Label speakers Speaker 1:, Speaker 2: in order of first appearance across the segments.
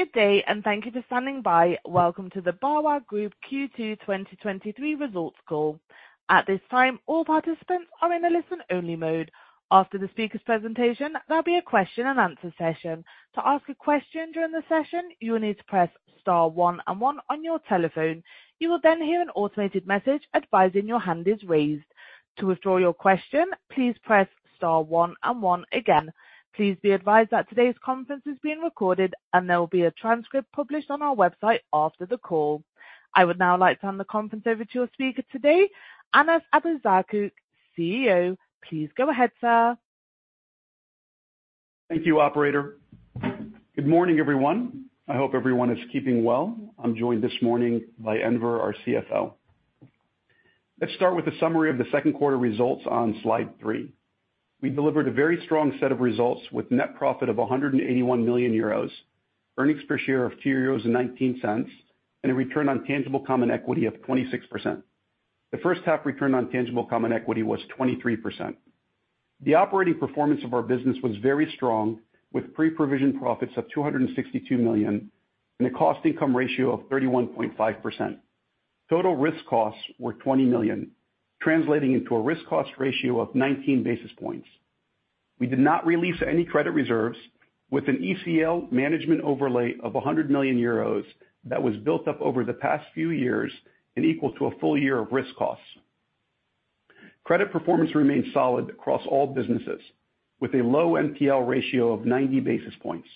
Speaker 1: Good day. Thank you for standing by. Welcome to the BAWAG Group Q2 2023 results call. At this time, all participants are in a listen-only mode. After the speaker's presentation, there'll be a question-and-answer session. To ask a question during the session, you will need to press star one and one on your telephone. You will hear an automated message advising your hand is raised. To withdraw your question, please press star one and one again. Please be advised that today's conference is being recorded, and there will be a transcript published on our website after the call. I would now like to turn the conference over to your speaker today, Anas Abuzaakouk, CEO. Please go ahead, sir.
Speaker 2: Thank you, operator. Good morning, everyone. I hope everyone is keeping well. I'm joined this morning by Enver, our CFO. Let's start with a summary of the second quarter results on slide 3. We delivered a very strong set of results, with net profit of 181 million euros, earnings per share of 2.19 euros, and a return on tangible common equity of 26%. The first half return on tangible common equity was 23%. The operating performance of our business was very strong, with pre-provision profits of 262 million and a cost-income ratio of 31.5%. Total risk costs were 20 million, translating into a risk cost ratio of 19 basis points. We did not release any credit reserves with an ECL management overlay of 100 million euros that was built up over the past few years and equal to a full year of risk costs. Credit performance remained solid across all businesses, with a low NPL ratio of 90 basis points.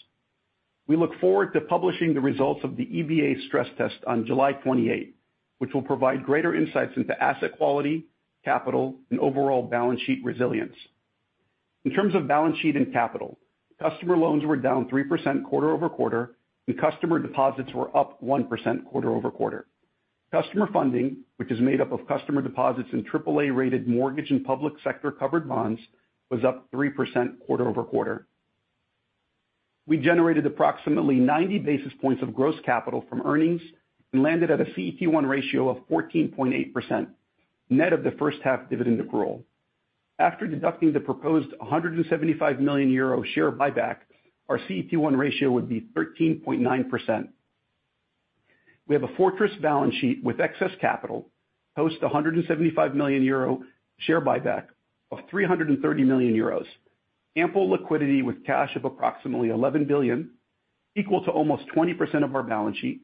Speaker 2: We look forward to publishing the results of the EBA stress test on July 28, which will provide greater insights into asset quality, capital, and overall balance sheet resilience. In terms of balance sheet and capital, customer loans were down 3% quarter-over-quarter, and customer deposits were up 1% quarter-over-quarter. Customer funding, which is made up of customer deposits and AAA-rated mortgage and public sector-covered bonds, was up 3% quarter-over-quarter. We generated approximately 90 basis points of gross capital from earnings and landed at a CET1 ratio of 14.8%, net of the first half dividend accrual. After deducting the proposed 175 million euro share buyback, our CET1 ratio would be 13.9%. We have a fortress balance sheet with excess capital, post a 175 million euro share buyback of 330 million euros, ample liquidity with cash of approximately 11 billion, equal to almost 20% of our balance sheet,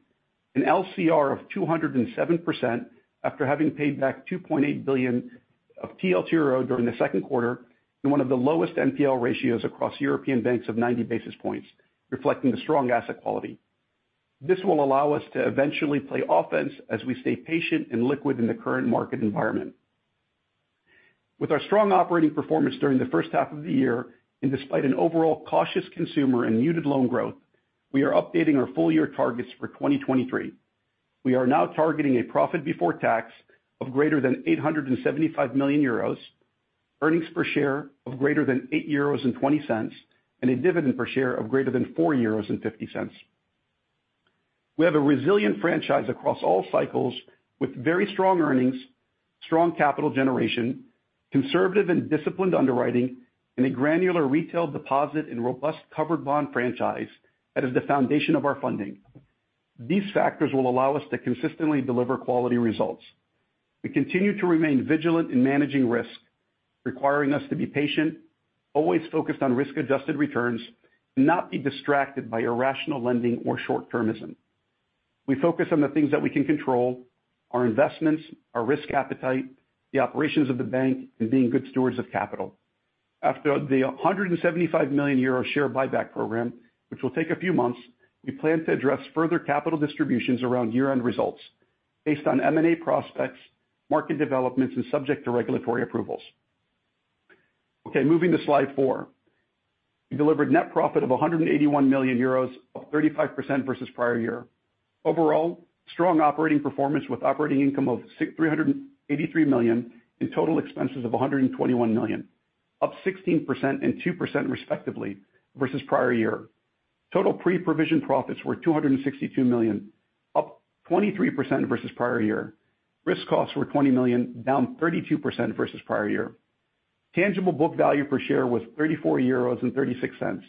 Speaker 2: an LCR of 207% after having paid back 2.8 billion of TLTRO during the second quarter, and one of the lowest NPL ratios across European banks of 90 basis points, reflecting the strong asset quality. This will allow us to eventually play offense as we stay patient and liquid in the current market environment. With our strong operating performance during the first half of the year, and despite an overall cautious consumer and muted loan growth, we are updating our full-year targets for 2023. We are now targeting a profit before tax of greater than 875 million euros, earnings per share of greater than 8.20 euros, and a dividend per share of greater than 4.50 euros. We have a resilient franchise across all cycles with very strong earnings, strong capital generation, conservative and disciplined underwriting, and a granular retail deposit and robust covered bond franchise that is the foundation of our funding. These factors will allow us to consistently deliver quality results. We continue to remain vigilant in managing risk, requiring us to be patient, always focused on risk-adjusted returns, and not be distracted by irrational lending or short-termism. We focus on the things that we can control: our investments, our risk appetite, the operations of the bank, and being good stewards of capital. After the 175 million euro share buyback program, which will take a few months, we plan to address further capital distributions around year-end results based on M&A prospects, market developments, and subject to regulatory approvals. Moving to slide 4. We delivered net profit of 181 million euros, up 35% versus prior year. Overall, strong operating performance with operating income of 383 million and total expenses of 121 million, up 16% and 2% respectively, versus prior year. Total pre-provision profits were 262 million, up 23% versus prior year. Risk costs were 20 million, down 32% versus prior year. Tangible book value per share was 34.36 euros,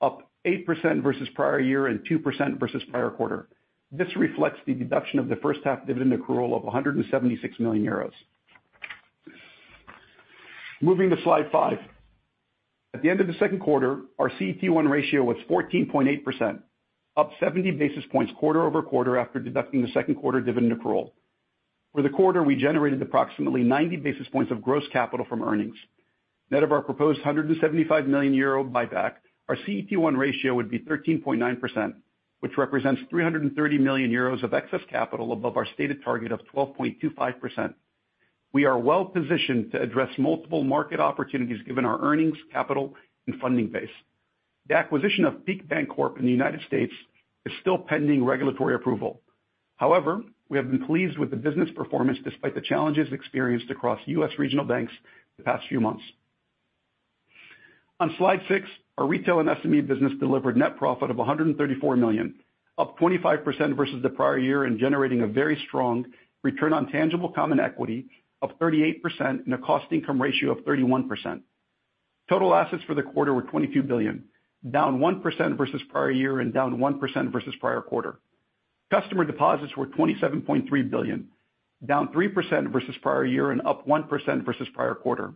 Speaker 2: up 8% versus prior year and 2% versus prior quarter. This reflects the deduction of the first half dividend accrual of 176 million euros. Moving to slide 5. At the end of the second quarter, our CET1 ratio was 14.8%, up 70 basis points quarter-over-quarter, after deducting the second quarter dividend accrual. For the quarter, we generated approximately 90 basis points of gross capital from earnings. Net of our proposed 175 million euro buyback, our CET1 ratio would be 13.9%, which represents 330 million euros of excess capital above our stated target of 12.25%. We are well positioned to address multiple market opportunities given our earnings, capital, and funding base. The acquisition of Peak Bancorp in the United States is still pending regulatory approval. However, we have been pleased with the business performance despite the challenges experienced across US regional banks the past few months. On slide 6, our retail and SME business delivered net profit of 134 million, up 25% versus the prior year, generating a very strong Return on tangible common equity of 38% and a cost-income ratio of 31%. Total assets for the quarter were 22 billion, down 1% versus prior year and down 1% versus prior quarter. Customer deposits were 27.3 billion, down 3% versus prior year and up 1% versus prior quarter.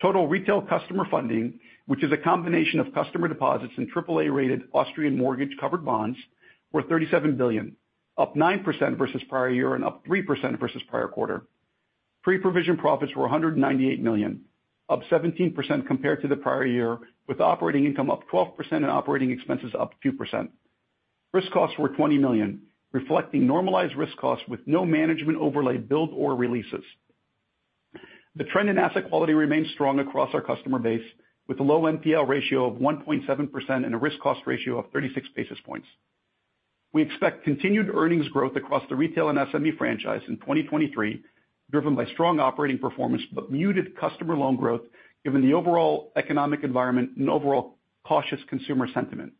Speaker 2: Total retail customer funding, which is a combination of customer deposits and triple A-rated Austrian mortgage-covered bonds, were 37 billion, up 9% versus prior year and up 3% versus prior quarter. Pre-provision profits were 198 million, up 17% compared to the prior year, with operating income up 12% and operating expenses up 2%. Risk costs were 20 million, reflecting normalized risk costs with no management overlay build or releases. The trend in asset quality remains strong across our customer base, with a low NPL ratio of 1.7% and a risk cost ratio of 36 basis points. We expect continued earnings growth across the retail and SME franchise in 2023, driven by strong operating performance, but muted customer loan growth, given the overall economic environment and overall cautious consumer sentiment.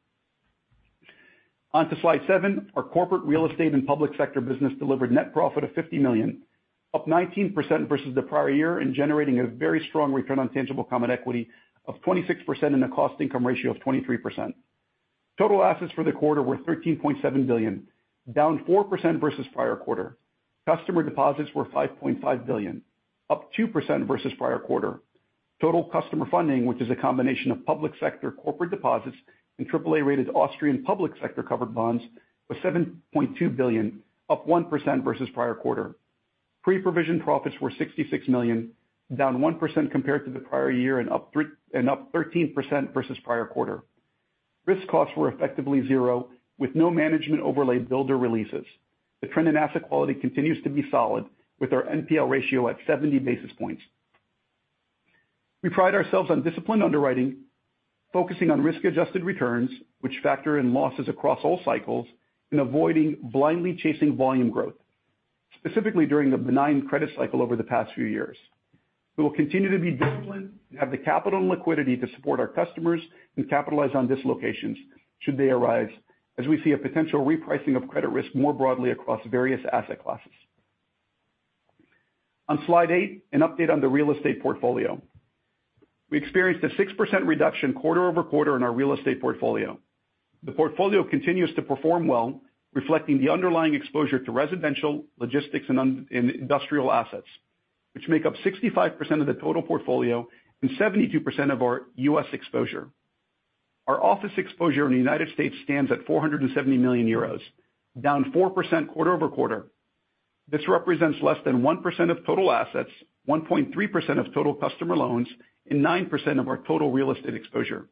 Speaker 2: On to slide 7, our corporate real estate and public sector business delivered net profit of 50 million, up 19% versus the prior year, and generating a very strong return on tangible common equity of 26% and a cost-income ratio of 23%. Total assets for the quarter were 13.7 billion, down 4% versus prior quarter. Customer deposits were 5.5 billion, up 2% versus prior quarter. Total customer funding, which is a combination of public sector corporate deposits and AAA-rated Austrian public sector covered bonds, was 7.2 billion, up 1% versus prior quarter. Pre-provision profits were 66 million, down 1% compared to the prior year and up 13% versus prior quarter. Risk costs were effectively zero, with no management overlay build or releases. The trend in asset quality continues to be solid, with our NPL ratio at 70 basis points. We pride ourselves on disciplined underwriting, focusing on risk-adjusted returns, which factor in losses across all cycles and avoiding blindly chasing volume growth, specifically during the benign credit cycle over the past few years. We will continue to be disciplined and have the capital and liquidity to support our customers and capitalize on dislocations should they arise, as we see a potential repricing of credit risk more broadly across various asset classes. On slide 8, an update on the real estate portfolio. We experienced a 6% reduction quarter-over-quarter in our real estate portfolio. The portfolio continues to perform well, reflecting the underlying exposure to residential, logistics, and un- and industrial assets, which make up 65% of the total portfolio and 72% of our U.S. exposure. Our office exposure in the United States stands at 470 million euros, down 4% quarter-over-quarter. This represents less than 1% of total assets, 1.3% of total customer loans, and 9% of our total real estate exposure.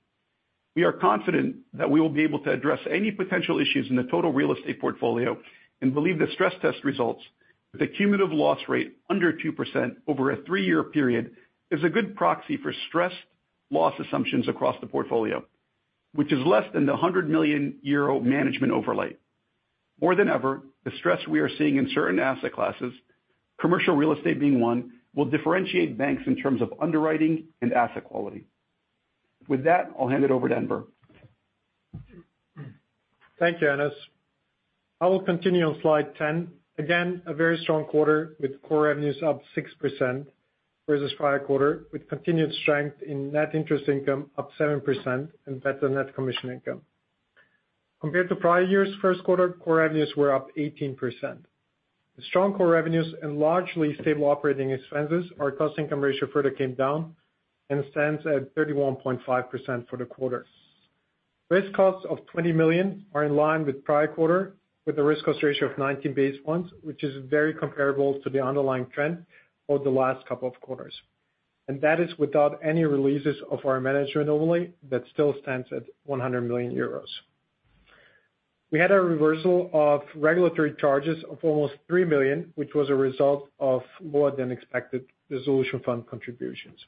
Speaker 2: We are confident that we will be able to address any potential issues in the total real estate portfolio and believe the stress test results with a cumulative loss rate under 2% over a three-year period, is a good proxy for stress loss assumptions across the portfolio, which is less than the 100 million euro management overlay. More than ever, the stress we are seeing in certain asset classes, commercial real estate being one, will differentiate banks in terms of underwriting and asset quality. With that, I'll hand it over to Enver.
Speaker 3: Thank you, Anas. I will continue on slide 10. A very strong quarter with core revenues up 6% versus prior quarter, with continued strength in net interest income up 7% and better net commission income. Compared to prior year's first quarter, core revenues were up 18%. The strong core revenues and largely stable operating expenses, our cost-income ratio further came down and stands at 31.5% for the quarter. Risk costs of 20 million are in line with prior quarter, with a risk cost ratio of 19 basis points, which is very comparable to the underlying trend over the last couple of quarters. That is without any releases of our management overlay that still stands at 100 million euros. We had a reversal of regulatory charges of almost 3 million, which was a result of more than expected Resolution Fund contributions.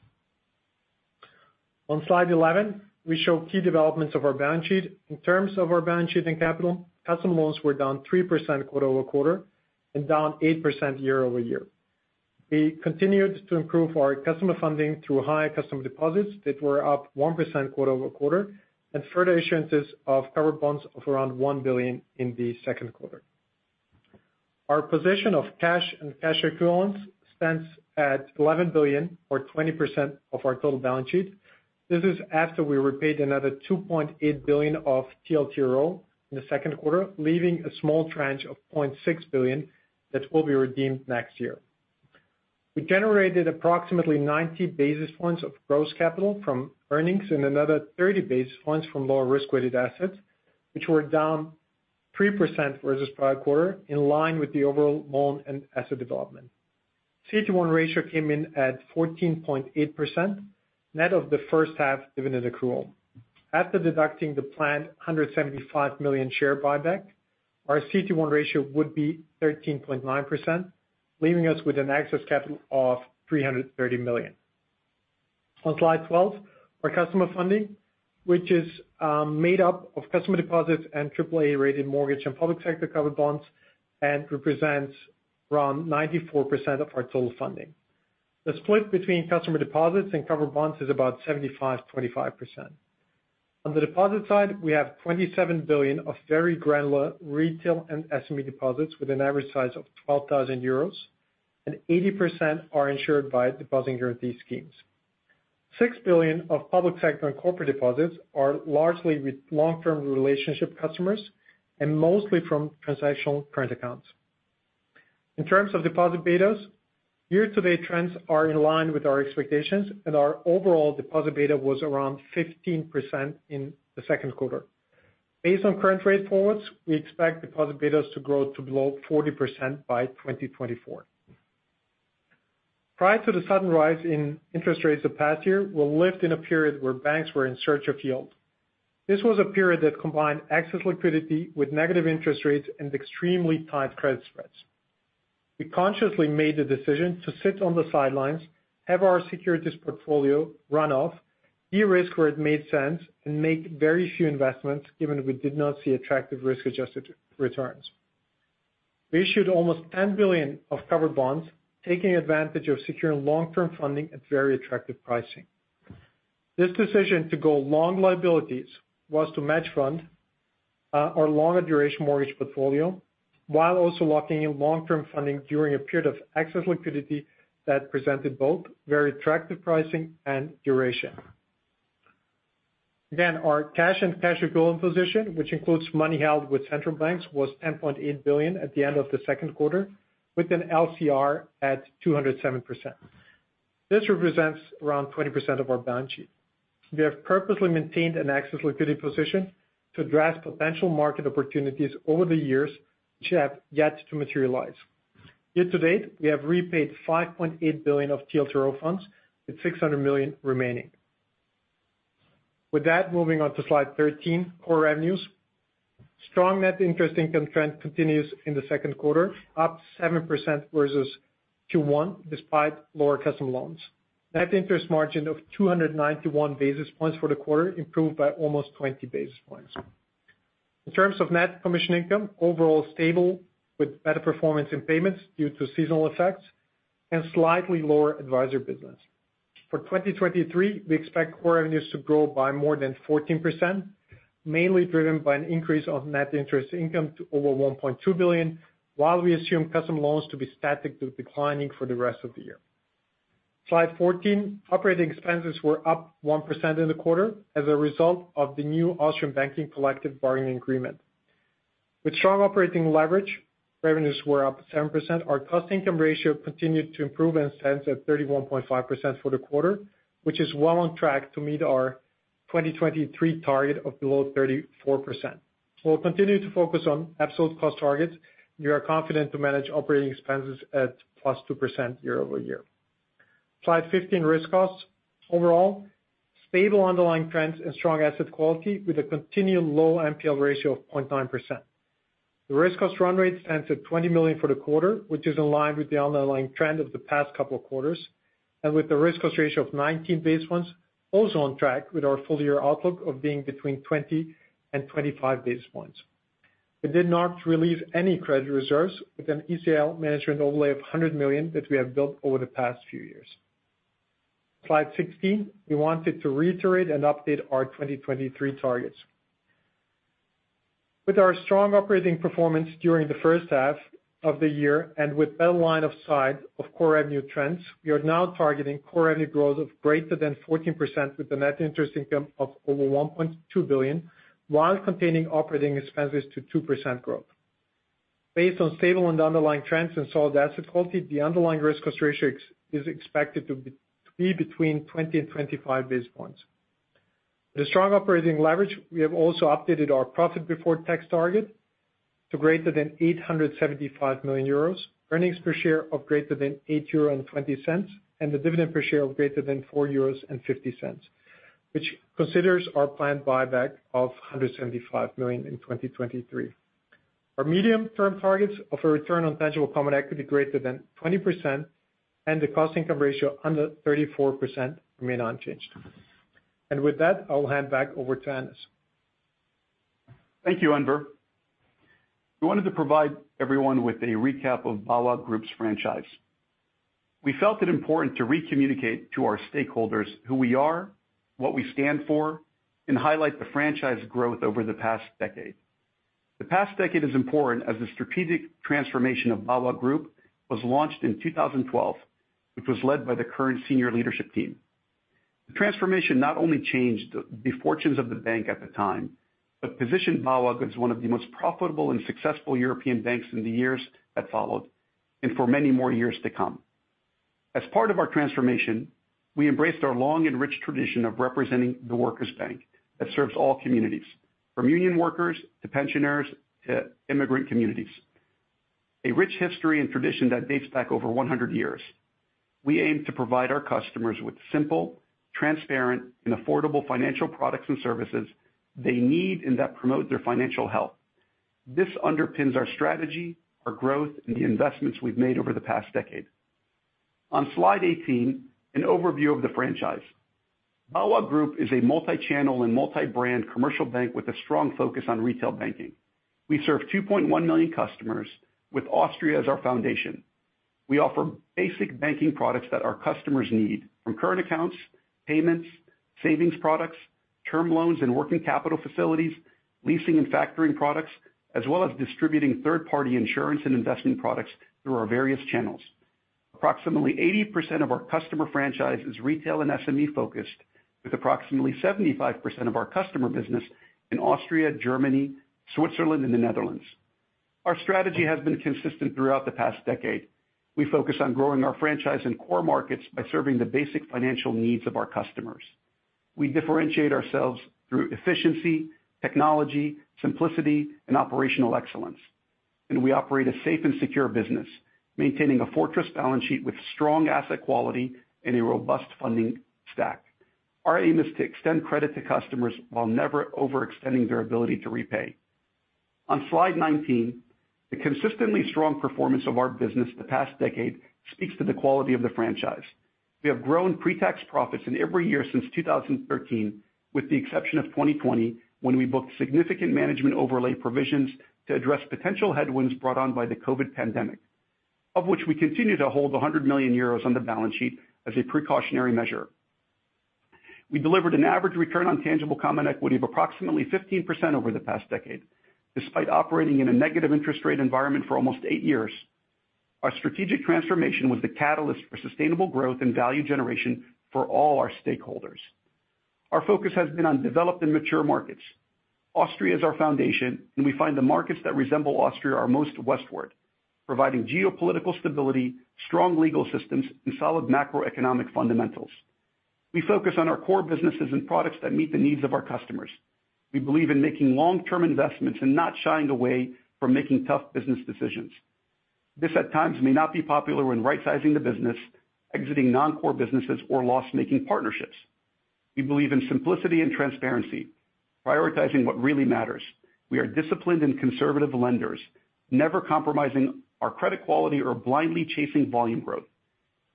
Speaker 3: On slide 11, we show key developments of our balance sheet. In terms of our balance sheet and capital, customer loans were down 3% quarter-over-quarter and down 8% year-over-year. We continued to improve our customer funding through high customer deposits that were up 1% quarter-over-quarter and further issuances of covered bonds of around 1 billion in the second quarter. Our position of cash and cash equivalents stands at 11 billion, or 20% of our total balance sheet. This is after we repaid another 2.8 billion of TLTRO in the second quarter, leaving a small tranche of 0.6 billion that will be redeemed next year. We generated approximately 90 basis points of gross capital from earnings and another 30 basis points from lower risk-weighted assets, which were down 3% versus prior quarter, in line with the overall loan and asset development. CET1 ratio came in at 14.8%, net of the first half dividend accrual. After deducting the planned 175 million share buyback, our CET1 ratio would be 13.9%, leaving us with an excess capital of 330 million. On slide 12, our customer funding, which is made up of customer deposits and triple A-rated mortgage and public sector covered bonds, and represents around 94% of our total funding. The split between customer deposits and covered bonds is about 75%, 25%. On the deposit side, we have 27 billion of very granular retail and SME deposits with an average size of 12,000 euros, and 80% are insured by Deposit Guarantee Schemes. 6 billion of public sector and corporate deposits are largely with long-term relationship customers and mostly from transactional current accounts. In terms of deposit betas, year-to-date trends are in line with our expectations, and our overall deposit beta was around 15% in the second quarter. Based on current rate forwards, we expect deposit betas to grow to below 40% by 2024. Prior to the sudden rise in interest rates the past year, we lived in a period where banks were in search of yield. This was a period that combined excess liquidity with negative interest rates and extremely tight credit spreads. We consciously made the decision to sit on the sidelines, have our securities portfolio run off, de-risk where it made sense, and make very few investments, given we did not see attractive risk-adjusted returns. We issued almost 10 billion of covered bonds, taking advantage of securing long-term funding at very attractive pricing. This decision to go long liabilities was to match fund our longer duration mortgage portfolio, while also locking in long-term funding during a period of excess liquidity that presented both very attractive pricing and duration. Again, our cash and cash equivalent position, which includes money held with central banks, was 10.8 billion at the end of the second quarter, with an LCR at 207%. This represents around 20% of our balance sheet. We have purposely maintained an excess liquidity position to address potential market opportunities over the years, which have yet to materialize. Year to date, we have repaid 5.8 billion of TLTRO funds, with 600 million remaining. Moving on to Slide 13, core revenues. Strong net interest income trend continues in the second quarter, up 7% versus Q1, despite lower custom loans. Net interest margin of 291 basis points for the quarter improved by almost 20 basis points. In terms of net commission income, overall stable, with better performance in payments due to seasonal effects and slightly lower advisor business. For 2023, we expect core revenues to grow by more than 14%, mainly driven by an increase of net interest income to over 1.2 billion, while we assume custom loans to be static to declining for the rest of the year. Slide 14. Operating expenses were up 1% in the quarter as a result of the new Austrian banking collective bargaining agreement. With strong operating leverage, revenues were up 7%. Our cost-income ratio continued to improve and stands at 31.5% for the quarter, which is well on track to meet our 2023 target of below 34%. We'll continue to focus on absolute cost targets. We are confident to manage operating expenses at +2% year-over-year. Slide 15, risk costs. Overall, stable underlying trends and strong asset quality with a continued low NPL ratio of 0.9%. The risk cost run rate stands at 20 million for the quarter, which is in line with the underlying trend of the past couple of quarters, and with the risk cost ratio of 19 basis points, also on track with our full year outlook of being between 20 and 25 basis points. We did not release any credit reserves with an ECL management overlay of 100 million that we have built over the past few years. Slide 16, we wanted to reiterate and update our 2023 targets. With our strong operating performance during the first half of the year, and with better line of sight of core revenue trends, we are now targeting core revenue growth of greater than 14%, with a net interest income of over 1.2 billion, while containing operating expenses to 2% growth. Based on stable and underlying trends and solid asset quality, the underlying risk cost ratio ex- is expected to be between 20 and 25 base points. The strong operating leverage, we have also updated our profit before tax target to greater than 875 million euros, earnings per share of greater than 8.20 euro, and the dividend per share of greater than 4.50 euros, which considers our planned buyback of 175 million in 2023. Our medium-term targets of a return on tangible common equity greater than 20% and the cost-income ratio under 34% remain unchanged. With that, I'll hand back over to Anas.
Speaker 2: Thank you, Enver. We wanted to provide everyone with a recap of BAWAG Group's franchise. We felt it important to re-communicate to our stakeholders who we are, what we stand for, and highlight the franchise growth over the past decade. The past decade is important, as the strategic transformation of BAWAG Group was launched in 2012, which was led by the current senior leadership team. The transformation not only changed the fortunes of the bank at the time, but positioned BAWAG as one of the most profitable and successful European banks in the years that followed, and for many more years to come. As part of our transformation, we embraced our long and rich tradition of representing the workers' bank that serves all communities, from union workers to pensioners, to immigrant communities. A rich history and tradition that dates back over 100 years. We aim to provide our customers with simple, transparent, and affordable financial products and services they need and that promote their financial health. This underpins our strategy, our growth, and the investments we've made over the past decade. On Slide 18, an overview of the franchise. BAWAG Group is a multi-channel and multi-brand commercial bank with a strong focus on retail banking. We serve 2.1 million customers with Austria as our foundation. We offer basic banking products that our customers need, from current accounts, payments, savings products, term loans and working capital facilities, leasing and factoring products, as well as distributing third-party insurance and investment products through our various channels. Approximately 80% of our customer franchise is retail and SME-focused, with approximately 75% of our customer business in Austria, Germany, Switzerland, and the Netherlands. Our strategy has been consistent throughout the past decade. We focus on growing our franchise in core markets by serving the basic financial needs of our customers. We differentiate ourselves through efficiency, technology, simplicity, and operational excellence. We operate a safe and secure business, maintaining a fortress balance sheet with strong asset quality and a robust funding stack. Our aim is to extend credit to customers while never overextending their ability to repay. On slide 19, the consistently strong performance of our business the past decade speaks to the quality of the franchise. We have grown pre-tax profits in every year since 2013, with the exception of 2020, when we booked significant management overlay provisions to address potential headwinds brought on by the COVID pandemic, of which we continue to hold 100 million euros on the balance sheet as a precautionary measure. We delivered an average return on tangible common equity of approximately 15% over the past decade, despite operating in a negative interest rate environment for almost eight years. Our strategic transformation was the catalyst for sustainable growth and value generation for all our stakeholders. Our focus has been on developed and mature markets. Austria is our foundation, and we find the markets that resemble Austria are most westward, providing geopolitical stability, strong legal systems, and solid macroeconomic fundamentals. We focus on our core businesses and products that meet the needs of our customers. We believe in making long-term investments and not shying away from making tough business decisions. This, at times, may not be popular when right-sizing the business, exiting non-core businesses or loss-making partnerships. We believe in simplicity and transparency, prioritizing what really matters. We are disciplined and conservative lenders, never compromising our credit quality or blindly chasing volume growth.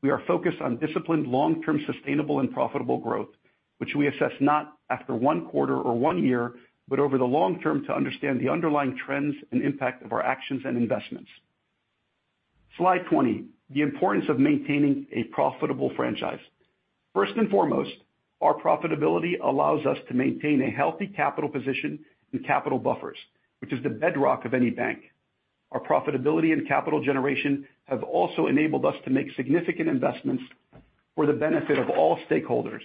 Speaker 2: We are focused on disciplined, long-term, sustainable, and profitable growth, which we assess not after one quarter or one year, but over the long term to understand the underlying trends and impact of our actions and investments. Slide 20, the importance of maintaining a profitable franchise. First and foremost, our profitability allows us to maintain a healthy capital position and capital buffers, which is the bedrock of any bank. Our profitability and capital generation have also enabled us to make significant investments for the benefit of all stakeholders,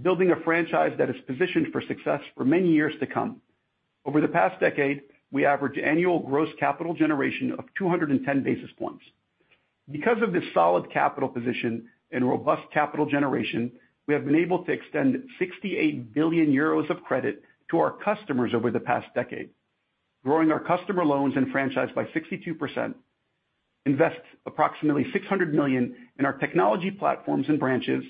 Speaker 2: building a franchise that is positioned for success for many years to come. Over the past decade, we averaged annual gross capital generation of 210 basis points. Because of this solid capital position and robust capital generation, we have been able to extend 68 billion euros of credit to our customers over the past decade, growing our customer loans and franchise by 62%, invest approximately 600 million in our technology platforms and branches,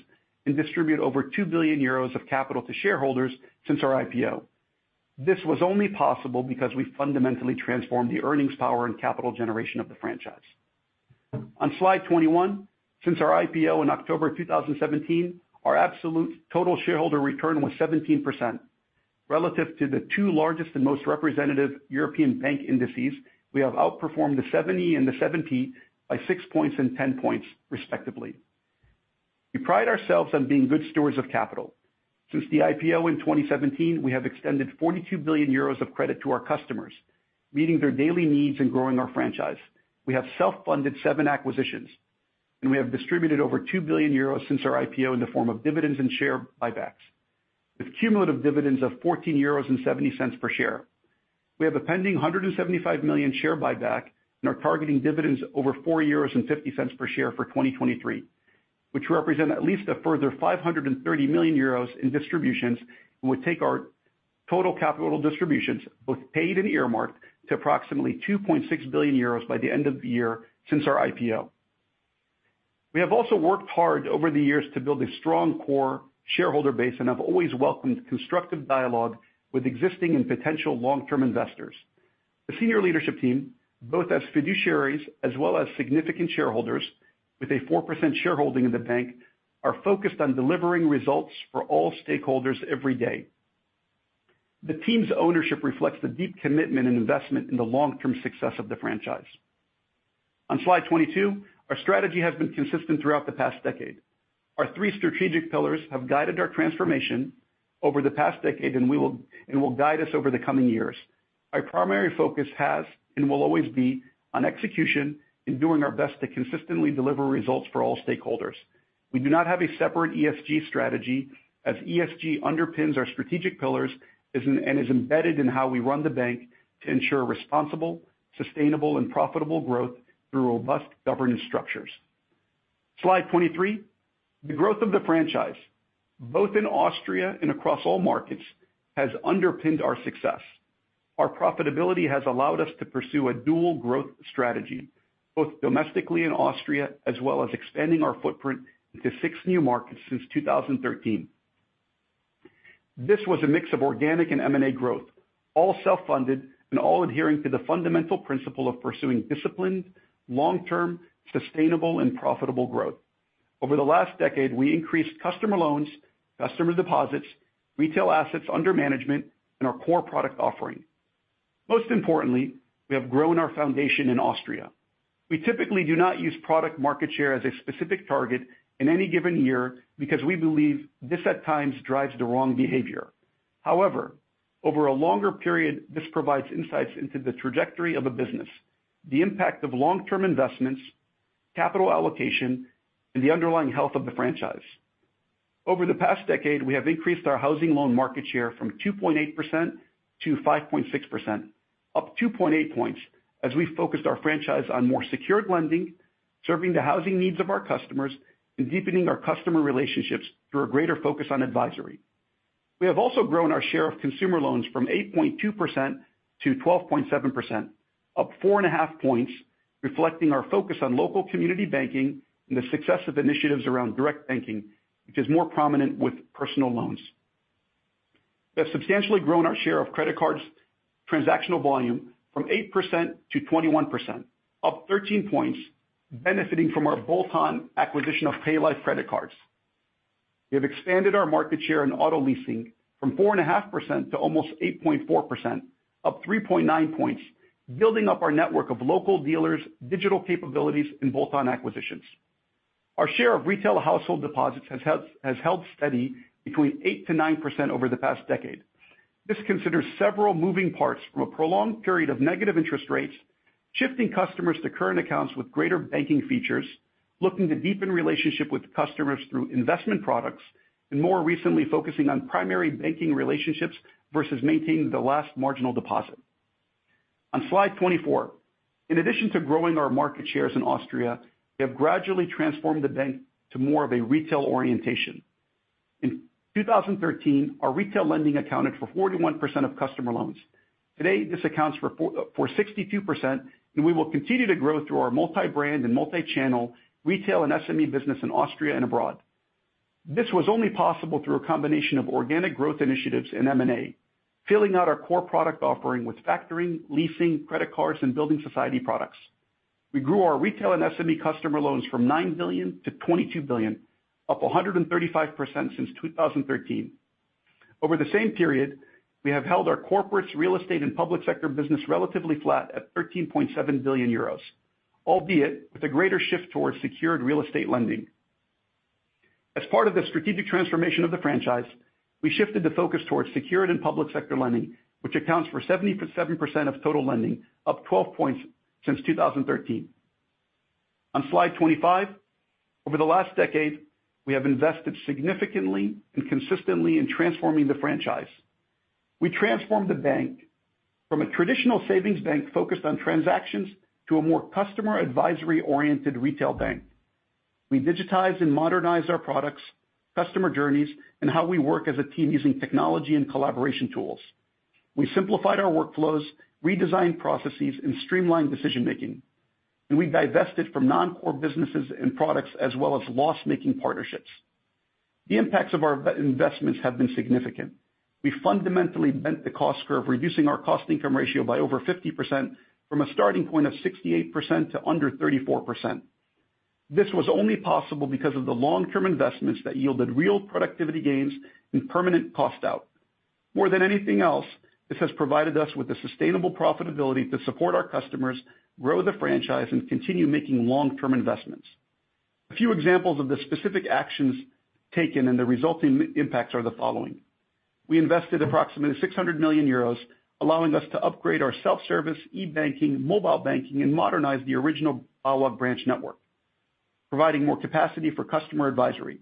Speaker 2: and distribute over 2 billion euros of capital to shareholders since our IPO. This was only possible because we fundamentally transformed the earnings power and capital generation of the franchise. On slide 21, since our IPO in October 2017, our absolute total shareholder return was 17%. Relative to the two largest and most representative European bank indices, we have outperformed the seventy and the seventy by 6 points and 10 points, respectively. We pride ourselves on being good stewards of capital. Since the IPO in 2017, we have extended 42 billion euros of credit to our customers, meeting their daily needs and growing our franchise. We have self-funded seven acquisitions, and we have distributed over 2 billion euros since our IPO in the form of dividends and share buybacks, with cumulative dividends of 14.70 euros per share. We have a pending 175 million share buyback and are targeting dividends over 4.50 euros per share for 2023, which represent at least a further 530 million euros in distributions and would take our total capital distributions, both paid and earmarked, to approximately 2.6 billion euros by the end of the year since our IPO. We have also worked hard over the years to build a strong core shareholder base and have always welcomed constructive dialogue with existing and potential long-term investors. The senior leadership team, both as fiduciaries as well as significant shareholders with a 4% shareholding in the bank, are focused on delivering results for all stakeholders every day. The team's ownership reflects the deep commitment and investment in the long-term success of the franchise. On slide 22, our strategy has been consistent throughout the past decade. Our three strategic pillars have guided our transformation over the past decade, and we will guide us over the coming years. Our primary focus has and will always be on execution and doing our best to consistently deliver results for all stakeholders. We do not have a separate ESG strategy, as ESG underpins our strategic pillars and is embedded in how we run the bank to ensure responsible, sustainable, and profitable growth through robust governance structures. Slide 23. The growth of the franchise, both in Austria and across all markets, has underpinned our success. Our profitability has allowed us to pursue a dual growth strategy, both domestically in Austria, as well as expanding our footprint into six new markets since 2013. This was a mix of organic and M&A growth, all self-funded and all adhering to the fundamental principle of pursuing disciplined, long-term, sustainable, and profitable growth. Over the last decade, we increased customer loans, customer deposits, retail assets under management, and our core product offering.... Most importantly, we have grown our foundation in Austria. We typically do not use product market share as a specific target in any given year because we believe this at times drives the wrong behavior. However, over a longer period, this provides insights into the trajectory of a business, the impact of long-term investments, capital allocation, and the underlying health of the franchise. Over the past decade, we have increased our housing loan market share from 2.8% to 5.6%, up 2.8 points, as we focused our franchise on more secured lending, serving the housing needs of our customers, and deepening our customer relationships through a greater focus on advisory. We have also grown our share of consumer loans from 8.2% to 12.7%, up 4.5 points, reflecting our focus on local community banking and the success of initiatives around direct banking, which is more prominent with personal loans. We have substantially grown our share of credit cards transactional volume from 8% to 21%, up 13 points, benefiting from our bolt-on acquisition of Paylife credit cards. We have expanded our market share in auto leasing from 4.5% to almost 8.4%, up 3.9 points, building up our network of local dealers, digital capabilities, and bolt-on acquisitions. Our share of retail household deposits has held steady between 8%-9% over the past decade. This considers several moving parts from a prolonged period of negative interest rates, shifting customers to current accounts with greater banking features, looking to deepen relationship with customers through investment products, and more recently, focusing on primary banking relationships versus maintaining the last marginal deposit. On slide 24, in addition to growing our market shares in Austria, we have gradually transformed the bank to more of a retail orientation. In 2013, our retail lending accounted for 41% of customer loans. Today, this accounts for 62%, and we will continue to grow through our multi-brand and multi-channel retail and SME business in Austria and abroad. This was only possible through a combination of organic growth initiatives in M&A, filling out our core product offering with factoring, leasing, credit cards, and building society products. We grew our retail and SME customer loans from 9 billion to 22 billion, up 135% since 2013. Over the same period, we have held our corporates, real estate, and public sector business relatively flat at 13.7 billion euros, albeit with a greater shift towards secured real estate lending. As part of the strategic transformation of the franchise, we shifted the focus towards secured and public sector lending, which accounts for 77% of total lending, up 12 points since 2013. On slide 25, over the last decade, we have invested significantly and consistently in transforming the franchise. We transformed the bank from a traditional savings bank focused on transactions to a more customer advisory-oriented retail bank. We digitized and modernized our products, customer journeys, and how we work as a team using technology and collaboration tools. We simplified our workflows, redesigned processes, and streamlined decision-making. We divested from non-core businesses and products as well as loss-making partnerships. The impacts of our investments have been significant. We fundamentally bent the cost curve, reducing our cost-income ratio by over 50% from a starting point of 68% to under 34%. This was only possible because of the long-term investments that yielded real productivity gains and permanent cost out. More than anything else, this has provided us with the sustainable profitability to support our customers, grow the franchise, and continue making long-term investments. A few examples of the specific actions taken and the resulting impacts are the following: We invested approximately 600 million euros, allowing us to upgrade our self-service, e-banking, mobile banking, and modernize the original BAWAG branch network, providing more capacity for customer advisory.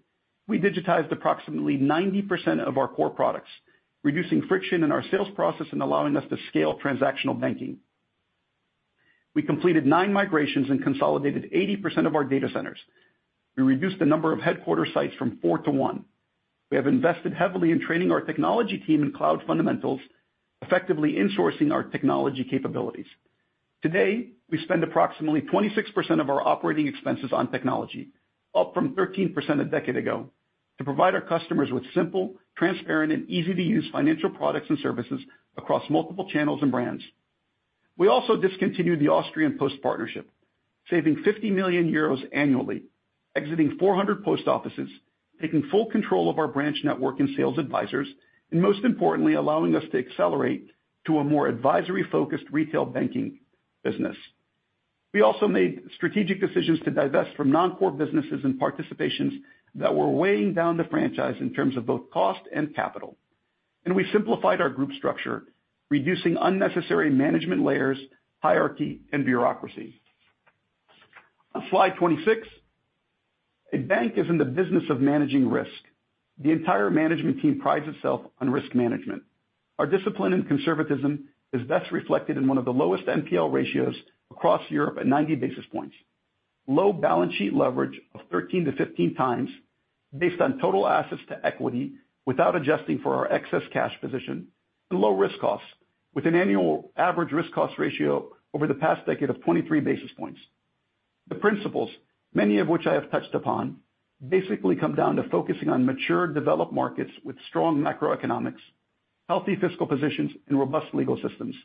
Speaker 2: We digitized approximately 90% of our core products, reducing friction in our sales process and allowing us to scale transactional banking. We completed 9 migrations and consolidated 80% of our data centers. We reduced the number of headquarter sites from 4 to 1. We have invested heavily in training our technology team in cloud fundamentals, effectively insourcing our technology capabilities. Today, we spend approximately 26% of our operating expenses on technology, up from 13% a decade ago, to provide our customers with simple, transparent, and easy-to-use financial products and services across multiple channels and brands. We also discontinued the Austrian Post partnership, saving 50 million euros annually, exiting 400 post offices, taking full control of our branch network and sales advisors, and most importantly, allowing us to accelerate to a more advisory-focused retail banking business. We also made strategic decisions to divest from non-core businesses and participations that were weighing down the franchise in terms of both cost and capital. We simplified our group structure, reducing unnecessary management layers, hierarchy, and bureaucracy. On slide 26, a bank is in the business of managing risk. The entire management team prides itself on risk management. Our discipline and conservatism is best reflected in one of the lowest NPL ratios across Europe at 90 basis points. Low balance sheet leverage of 13-15 times based on total assets to equity without adjusting for our excess cash position and low risk costs, with an annual average risk cost ratio over the past decade of 23 basis points. The principles, many of which I have touched upon, basically come down to focusing on mature, developed markets with strong macroeconomics, healthy fiscal positions, and robust legal systems.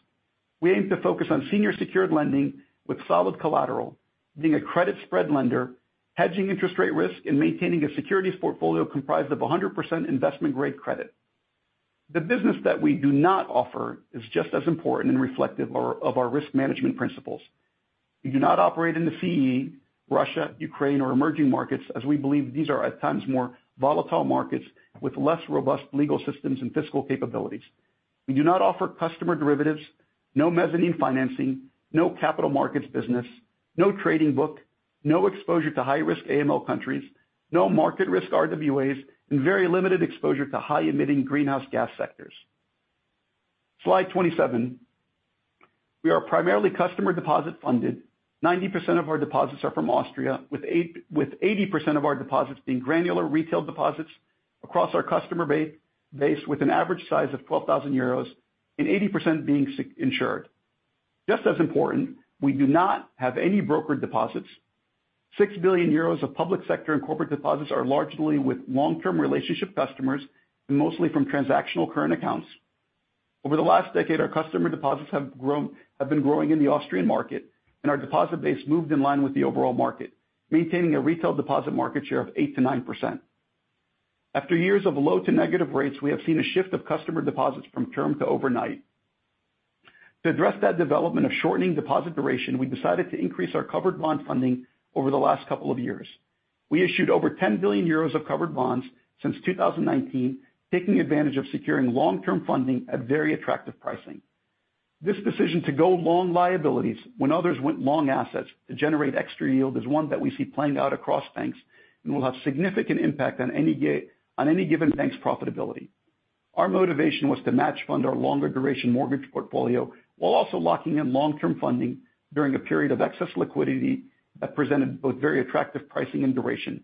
Speaker 2: We aim to focus on senior secured lending with solid collateral... being a credit spread lender, hedging interest rate risk, and maintaining a securities portfolio comprised of 100% investment grade credit. The business that we do not offer is just as important and reflective of our risk management principles. We do not operate in the CEE, Russia, Ukraine, or emerging markets, as we believe these are at times more volatile markets with less robust legal systems and fiscal capabilities. We do not offer customer derivatives, no mezzanine financing, no capital markets business, no trading book, no exposure to high-risk AML countries, no market risk RWAs, and very limited exposure to high-emitting greenhouse gas sectors. Slide 27. We are primarily customer deposit funded. 90% of our deposits are from Austria, with 80% of our deposits being granular retail deposits across our customer base, with an average size of 12,000 euros and 80% being insured. Just as important, we do not have any brokered deposits. 6 billion euros of public sector and corporate deposits are largely with long-term relationship customers and mostly from transactional current accounts. Over the last decade, our customer deposits have been growing in the Austrian market, and our deposit base moved in line with the overall market, maintaining a retail deposit market share of 8%-9%. After years of low to negative rates, we have seen a shift of customer deposits from term to overnight. To address that development of shortening deposit duration, we decided to increase our covered bond funding over the last couple of years. We issued over 10 billion euros of covered bonds since 2019, taking advantage of securing long-term funding at very attractive pricing. This decision to go long liabilities when others went long assets to generate extra yield, is one that we see playing out across banks and will have significant impact on any given bank's profitability. Our motivation was to match fund our longer duration mortgage portfolio while also locking in long-term funding during a period of excess liquidity that presented both very attractive pricing and duration.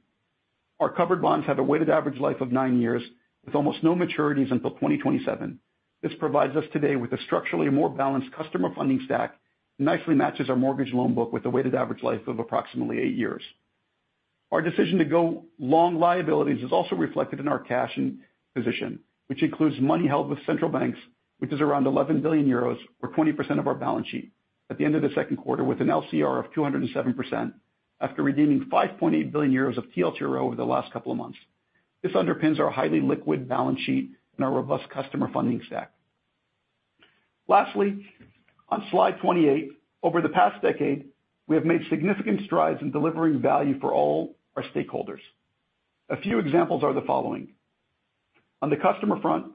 Speaker 2: Our covered bonds have a weighted average life of 9 years, with almost no maturities until 2027. This provides us today with a structurally more balanced customer funding stack, nicely matches our mortgage loan book with a weighted average life of approximately 8 years. Our decision to go long liabilities is also reflected in our cash and position, which includes money held with central banks, which is around 11 billion euros, or 20% of our balance sheet, at the end of the 2Q, with an LCR of 207% after redeeming 5.8 billion euros of TLTRO over the last couple of months. This underpins our highly liquid balance sheet and our robust customer funding stack. On slide 28, over the past decade, we have made significant strides in delivering value for all our stakeholders. A few examples are the following: On the customer front,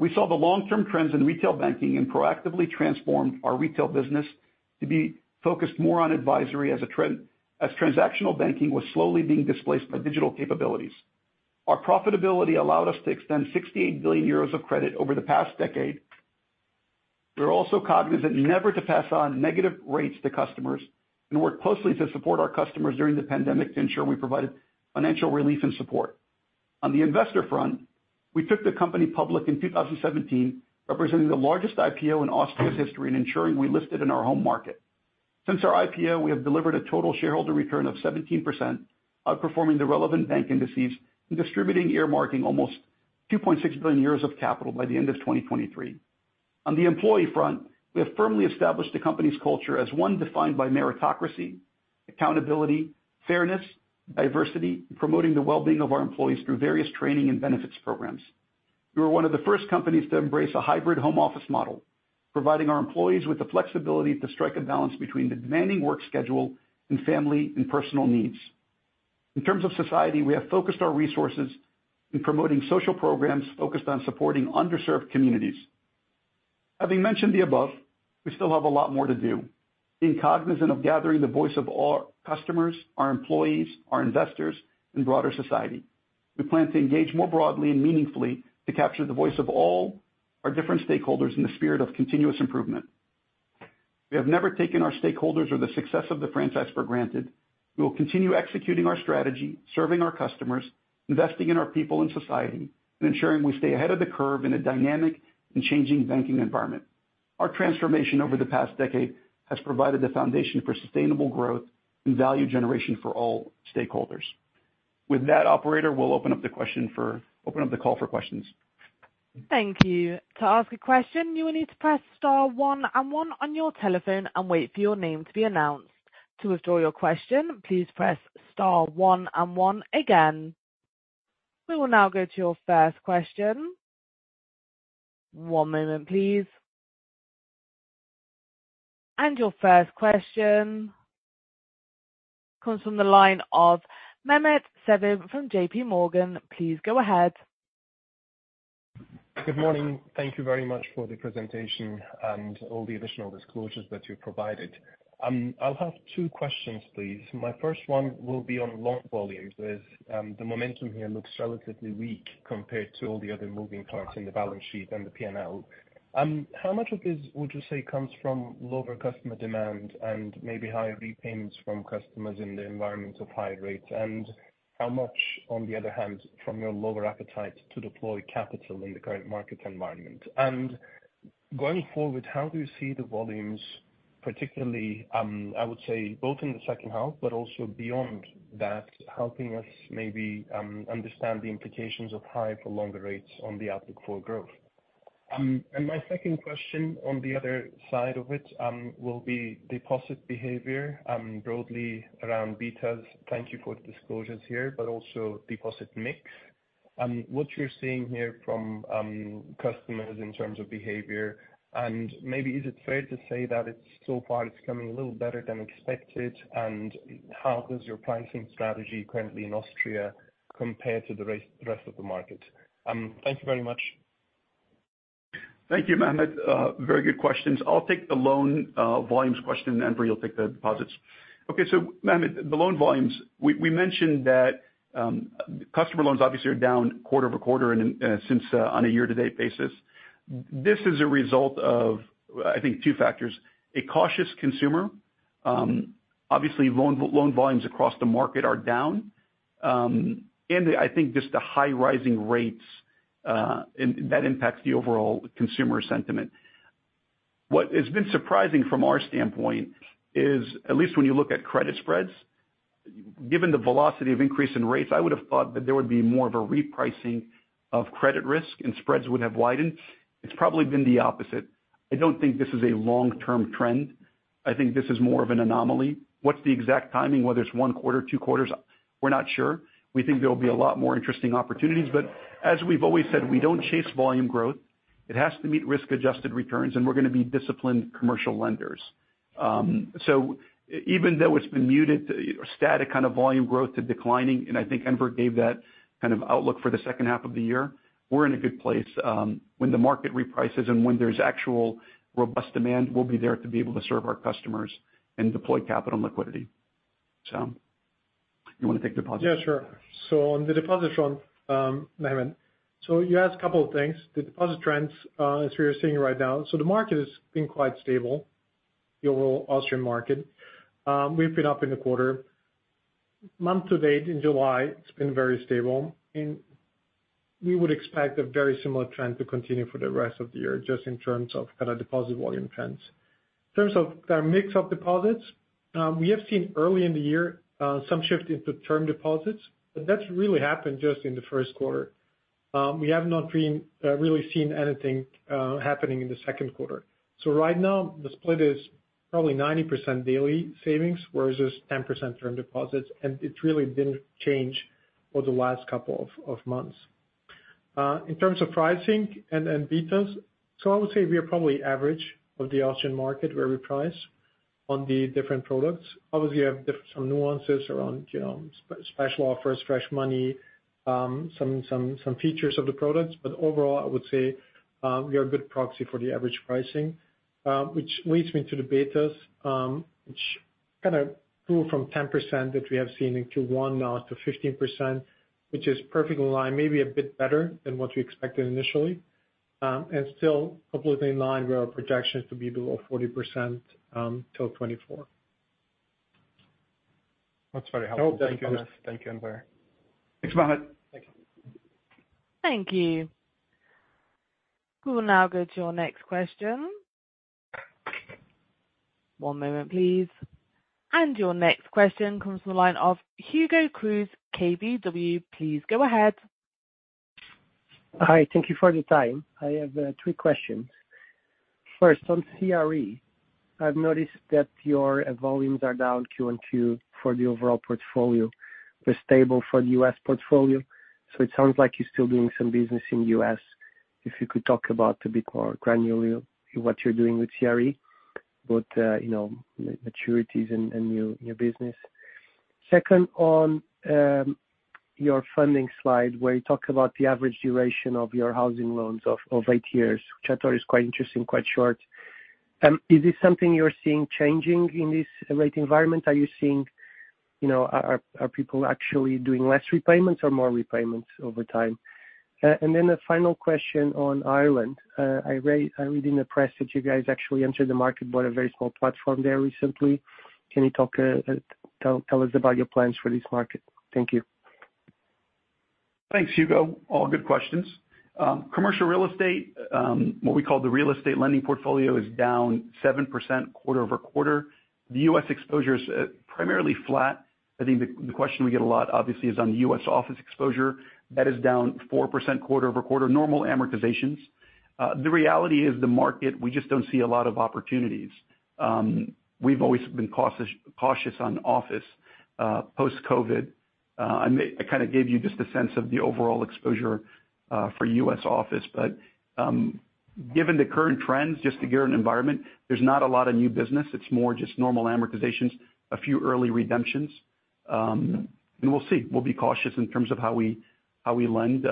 Speaker 2: we saw the long-term trends in retail banking and proactively transformed our retail business to be focused more on advisory as a trend, as transactional banking was slowly being displaced by digital capabilities. Our profitability allowed us to extend 68 billion euros of credit over the past decade. We are also cognizant never to pass on negative rates to customers and work closely to support our customers during the pandemic to ensure we provided financial relief and support. On the investor front, we took the company public in 2017, representing the largest IPO in Austria's history and ensuring we listed in our home market. Since our IPO, we have delivered a total shareholder return of 17%, outperforming the relevant bank indices and distributing, earmarking almost 2.6 billion euros of capital by the end of 2023. On the employee front, we have firmly established the company's culture as one defined by meritocracy, accountability, fairness, diversity, and promoting the well-being of our employees through various training and benefits programs. We were one of the first companies to embrace a hybrid home office model, providing our employees with the flexibility to strike a balance between the demanding work schedule and family and personal needs. In terms of society, we have focused our resources in promoting social programs focused on supporting underserved communities. Having mentioned the above, we still have a lot more to do. Being cognizant of gathering the voice of our customers, our employees, our investors, and broader society, we plan to engage more broadly and meaningfully to capture the voice of all our different stakeholders in the spirit of continuous improvement. We have never taken our stakeholders or the success of the franchise for granted. We will continue executing our strategy, serving our customers, investing in our people and society, and ensuring we stay ahead of the curve in a dynamic and changing banking environment. Our transformation over the past decade has provided the foundation for sustainable growth and value generation for all stakeholders. With that, operator, we'll open up the call for questions.
Speaker 1: Thank you. To ask a question, you will need to press star one and one on your telephone and wait for your name to be announced. To withdraw your question, please press star one and one again. We will now go to your first question. One moment, please. Your first question comes from the line of Mehmet Sevim from J.P. Morgan. Please go ahead.
Speaker 4: Good morning. Thank you very much for the presentation and all the additional disclosures that you provided. I'll have two questions, please. My first one will be on loan volumes, as the momentum here looks relatively weak compared to all the other moving parts in the balance sheet and the PNL. How much of this would you say comes from lower customer demand and maybe higher repayments from customers in the environment of high rates? How much, on the other hand, from your lower appetite to deploy capital in the current market environment? Going forward, how do you see the volumes, particularly, I would say both in the second half, but also beyond that, helping us maybe understand the implications of high for longer rates on the outlook for growth? My second question on the other side of it, will be deposit behavior, broadly around betas. Thank you for the disclosures here, also deposit mix. What you're seeing here from customers in terms of behavior, maybe is it fair to say that it's so far it's coming a little better than expected? How does your pricing strategy currently in Austria compare to the rest of the market? Thank you very much.
Speaker 2: Thank you, Mehmet, very good questions. I'll take the loan, volumes question. Enver, you'll take the deposits. Mehmet, the loan volumes, we mentioned that, customer loans obviously are down quarter-over-quarter and, since, on a year-to-date basis. This is a result of I think two factors: a cautious consumer. obviously, loan volumes across the market are down. I think just the high rising rates, and that impacts the overall consumer sentiment. What has been surprising from our standpoint is, at least when you look at credit spreads, given the velocity of increase in rates, I would have thought that there would be more of a repricing of credit risk and spreads would have widened. It's probably been the opposite. I don't think this is a long-term trend. I think this is more of an anomaly. What's the exact timing, whether it's 1 quarter, 2 quarters? We're not sure. We think there will be a lot more interesting opportunities, but as we've always said, we don't chase volume growth. It has to meet risk-adjusted returns, and we're going to be disciplined commercial lenders. Even though it's been muted, static kind of volume growth to declining, and I think Enver gave that kind of outlook for the 2nd half of the year, we're in a good place. When the market reprices and when there's actual robust demand, we'll be there to be able to serve our customers and deploy capital and liquidity. You want to take deposits?
Speaker 3: Yeah, sure. On the deposit front, Mehmet Sevim, you asked a couple of things. The deposit trends, as we are seeing right now, the market has been quite stable, the overall Austrian market. We've been up in the quarter. Month to date, in July, it's been very stable, and we would expect a very similar trend to continue for the rest of the year, just in terms of kind of deposit volume trends. In terms of the mix of deposits, we have seen early in the year, some shift into term deposits, but that's really happened just in the first quarter. We have not been really seen anything happening in the second quarter. Right now, the split is probably 90% daily savings, whereas it's 10% term deposits. It really didn't change over the last couple of months. In terms of pricing and betas, I would say we are probably average of the Austrian market, where we price on the different products. Obviously, you have some nuances around, you know, special offers, fresh money, some features of the products. Overall, I would say, we are a good proxy for the average pricing. Which leads me to the betas, which kind of grew from 10% that we have seen into one now to 15%, which is perfectly in line, maybe a bit better than what we expected initially. Still completely in line with our projections to be below 40% till '24.
Speaker 4: That's very helpful. Thank you, Enver.
Speaker 2: Thanks, Mehmet.
Speaker 3: Thank you.
Speaker 1: Thank you. We will now go to your next question. One moment, please. Your next question comes from the line of Hugo Cruz, KBW. Please go ahead.
Speaker 5: Hi, thank you for the time. I have three questions. First, on CRE, I've noticed that your volumes are down Q1, Q2 for the overall portfolio. They're stable for the U.S. portfolio, so it sounds like you're still doing some business in U.S. If you could talk about a bit more granularly what you're doing with CRE, both, you know, maturities and new business. Second, on your funding slide, where you talk about the average duration of your housing loans of eight years, which I thought is quite interesting, quite short. Is this something you're seeing changing in this rate environment? Are you seeing, you know, are people actually doing less repayments or more repayments over time? The final question on Ireland. I read in the press that you guys actually entered the market, bought a very small platform there recently. Can you tell us about your plans for this market? Thank you.
Speaker 2: Thanks, Hugo. All good questions. Commercial real estate, what we call the real estate lending portfolio, is down 7% quarter-over-quarter. The U.S. exposure is primarily flat. I think the question we get a lot, obviously, is on the U.S. office exposure. That is down 4% quarter-over-quarter, normal amortizations. The reality is the market, we just don't see a lot of opportunities. We've always been cautious on office post-COVID. I kind of gave you just a sense of the overall exposure for U.S. office. Given the current trends, just to give you an environment, there's not a lot of new business. It's more just normal amortizations, a few early redemptions. We'll see. We'll be cautious in terms of how we lend.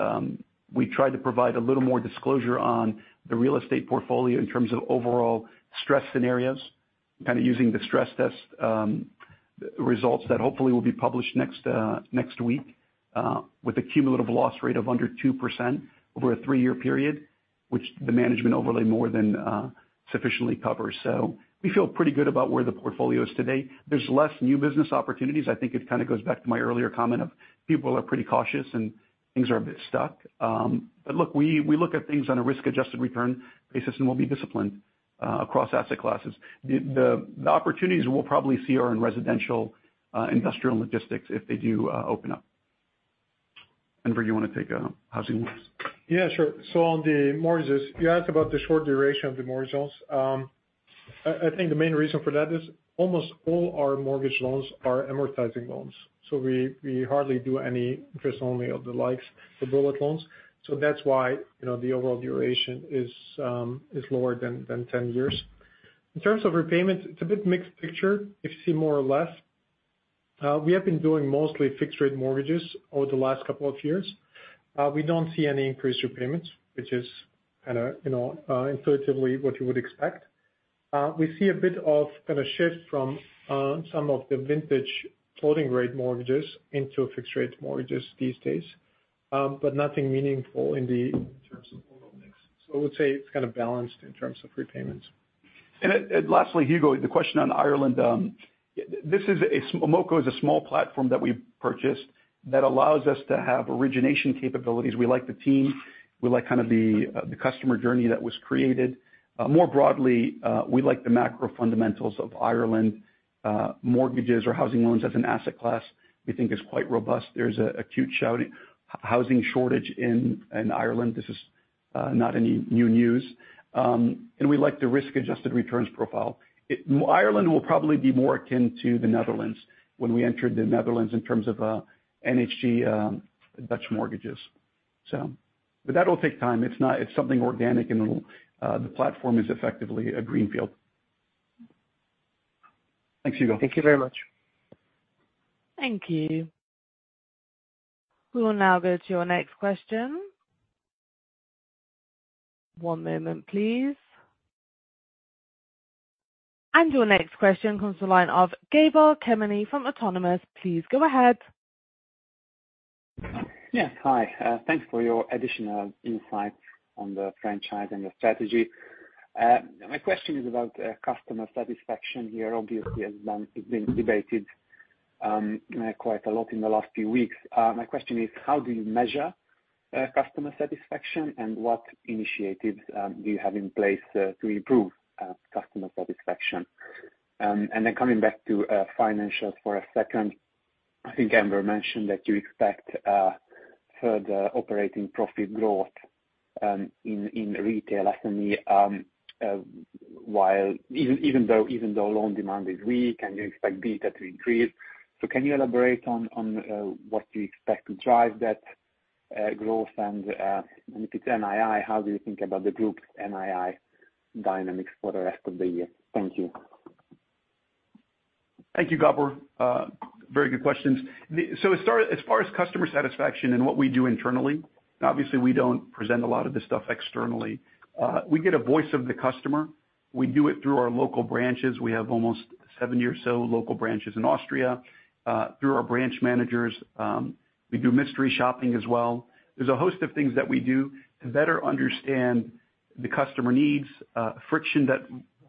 Speaker 2: We tried to provide a little more disclosure on the real estate portfolio in terms of overall stress scenarios, kind of using the stress test results that hopefully will be published next week, with a cumulative loss rate of under 2% over a three-year period, which the management overlay more than sufficiently covers. We feel pretty good about where the portfolio is today. There's less new business opportunities. I think it kind of goes back to my earlier comment of people are pretty cautious and things are a bit stuck. Look, we look at things on a risk-adjusted return basis, and we'll be disciplined across asset classes. The opportunities we'll probably see are in residential, industrial logistics if they do open up. Enver, you want to take housing loans?
Speaker 3: Yeah, sure. On the mortgages, you asked about the short duration of the mortgage loans. I think the main reason for that is almost all our mortgage loans are amortizing loans. We hardly do any interest only of the likes, the bullet loans. That's why, you know, the overall duration is lower than 10 years. In terms of repayments, it's a bit mixed picture. You see more or less. We have been doing mostly fixed rate mortgages over the last couple of years. We don't see any increased repayments, which is kind of, you know, intuitively what you would expect. We see a bit of kind of shift from some of the vintage floating rate mortgages into fixed rate mortgages these days, but nothing meaningful in the terms of overall mix. I would say it's kind of balanced in terms of repayments.
Speaker 2: Lastly, Hugo, the question on Ireland, MoCo is a small platform that we purchased that allows us to have origination capabilities. We like the team. We like kind of the customer journey that was created. More broadly, we like the macro fundamentals of Ireland, mortgages or housing loans as an asset class. We think it's quite robust. There's a acute housing shortage in Ireland. This is not any new news, and we like the risk-adjusted returns profile. Ireland will probably be more akin to the Netherlands when we entered the Netherlands in terms of NHG Dutch mortgages. That will take time. It's something organic, and the platform is effectively a greenfield. Thanks, Hugo.
Speaker 6: Thank you very much.
Speaker 1: Thank you. We will now go to your next question. One moment, please. Your next question comes to the line of Gabor Kemeny from Autonomous. Please go ahead.
Speaker 7: Yes, hi. Thanks for your additional insights on the franchise and your strategy. My question is about customer satisfaction here. Obviously, it's been debated quite a lot in the last few weeks. My question is: How do you measure customer satisfaction? What initiatives do you have in place to improve customer satisfaction? Coming back to financials for a second, I think Enver mentioned that you expect further operating profit growth in retail SME, while even though loan demand is weak and you expect beta to increase. Can you elaborate on what you expect to drive that growth? If it's NII, how do you think about the group's NII dynamics for the rest of the year? Thank you.
Speaker 2: Thank you, Gabor. Very good questions. As far as customer satisfaction and what we do internally, obviously we don't present a lot of this stuff externally. We get a voice of the customer. We do it through our local branches. We have almost 70 or so local branches in Austria. Through our branch managers, we do mystery shopping as well. There's a host of things that we do to better understand the customer needs, friction that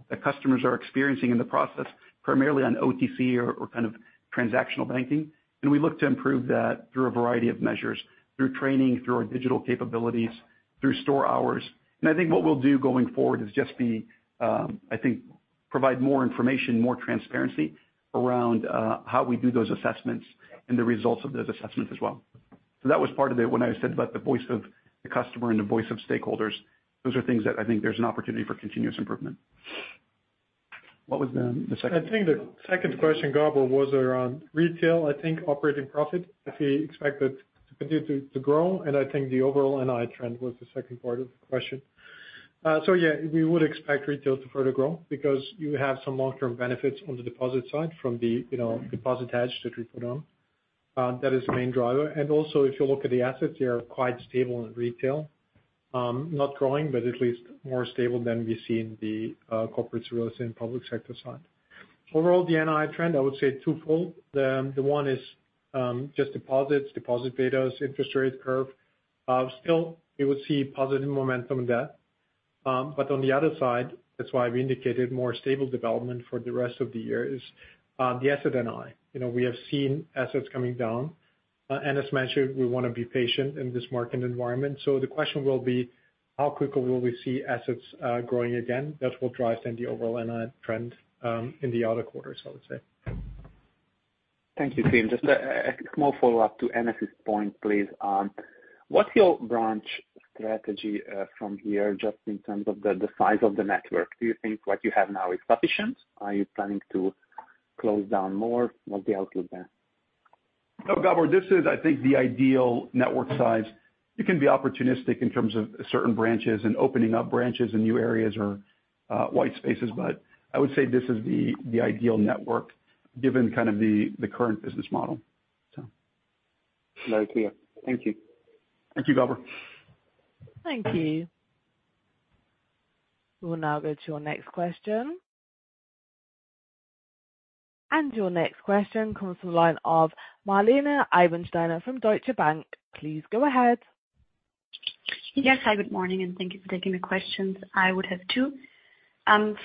Speaker 2: the customers are experiencing in the process, primarily on OTC or kind of transactional banking. We look to improve that through a variety of measures, through training, through our digital capabilities, through store hours. I think what we'll do going forward is just be, I think, provide more information, more transparency around how we do those assessments and the results of those assessments as well. That was part of it when I said about the voice of the customer and the voice of stakeholders. Those are things that I think there's an opportunity for continuous improvement. What was the second?
Speaker 3: I think the second question, Gabor, was around retail, I think operating profit, if we expect it to continue to grow, and I think the overall NII trend was the second part of the question. Yeah, we would expect retail to further grow because you have some long-term benefits on the deposit side from the, you know, deposit hedge that we put on. That is the main driver. Also, if you look at the assets, they are quite stable in retail, not growing, but at least more stable than we see in the corporates, real estate, and public sector side. Overall, the NII trend, I would say twofold. The one is just deposits, deposit betas, interest rates curve. Still, you would see positive momentum in that. On the other side, that's why we indicated more stable development for the rest of the year is the asset NII. You know, we have seen assets coming down, and as mentioned, we want to be patient in this market environment. The question will be: How quickly will we see assets growing again? That will drive then the overall NII trend in the other quarters, I would say.
Speaker 7: Thank you, team. Just a small follow-up to Anas's point, please. What's your branch strategy from here, just in terms of the size of the network? Do you think what you have now is sufficient? Are you planning to close down more? What's the outlook there?
Speaker 2: Gabor, this is, I think, the ideal network size. You can be opportunistic in terms of certain branches and opening up branches in new areas or white spaces, but I would say this is the ideal network, given kind of the current business model.
Speaker 7: Very clear. Thank you.
Speaker 2: Thank you, Gabor.
Speaker 1: Thank you. We will now go to your next question. Your next question comes from the line of Marlene Eibensteiner from Deutsche Bank. Please go ahead.
Speaker 8: Yes. Hi, good morning, thank you for taking the questions. I would have two.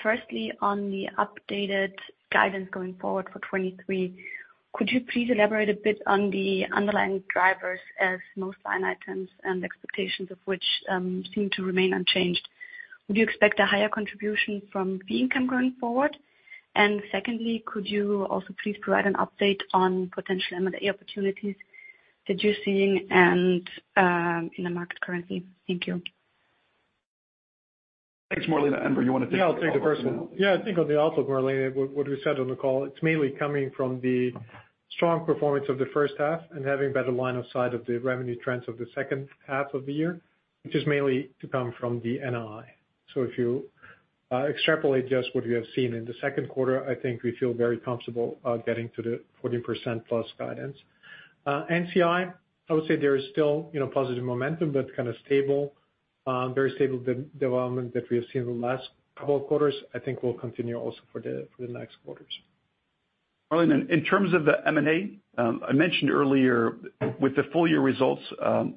Speaker 8: Firstly, on the updated guidance going forward for 2023, could you please elaborate a bit on the underlying drivers as most line items and expectations of which seem to remain unchanged? Do you expect a higher contribution from fee income going forward? Secondly, could you also please provide an update on potential M&A opportunities that you're seeing in the market currently? Thank you.
Speaker 2: Thanks, Marlena. Enver, you want to?
Speaker 3: Yeah, I'll take it first. Yeah, I think on the outlook, Marlene, what we said on the call, it's mainly coming from the strong performance of the first half and having better line of sight of the revenue trends of the second half of the year, which is mainly to come from the NII. If you extrapolate just what we have seen in the second quarter, I think we feel very comfortable getting to the 40% plus guidance. NCI, I would say there is still, you know, positive momentum, but kind of stable, very stable development that we have seen in the last couple of quarters. I think we'll continue also for the next quarters.
Speaker 2: Marlene Eibensteiner, in terms of the M&A, I mentioned earlier with the full year results,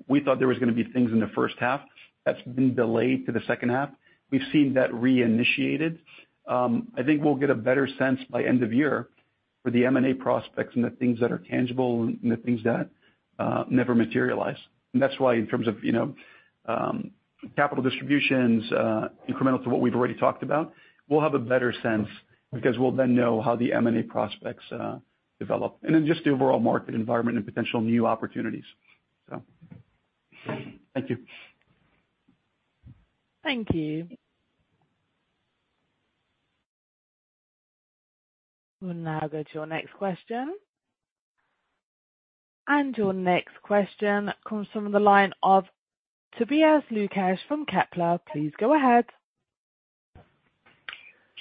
Speaker 2: we thought there was going to be things in the first half that's been delayed to the second half. We've seen that reinitiated. I think we'll get a better sense by end of year for the M&A prospects and the things that are tangible and the things that never materialize. That's why, in terms of, you know, capital distributions, incremental to what we've already talked about, we'll have a better sense because we'll then know how the M&A prospects develop, and then just the overall market environment and potential new opportunities. Thank you.
Speaker 1: Thank you. We'll now go to your next question. Your next question comes from the line of Tobias Lukesch from Kepler. Please go ahead.